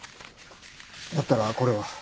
だったらこれは？